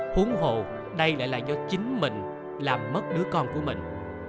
huống hồ đây lại là do chính mình làm mất đứa con của mình